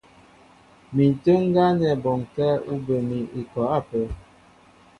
Mi ǹtə́ə́ ŋgá nɛ́ bɔnkɛ́ ú bə mi ikɔ ápə́.